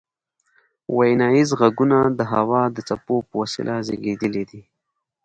ویناییز غږونه د هوا د څپو په وسیله زیږیدلي دي